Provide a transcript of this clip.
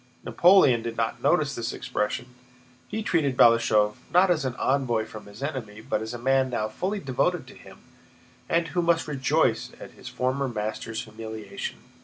Napoleon did not notice this expression; he treated Balashëv not as an envoy from his enemy, but as a man now fully devoted to him and who must rejoice at his former master's humiliation.